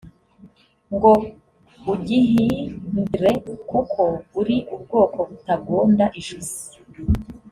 ngo ugihind re kuko uri ubwoko butagonda ijosi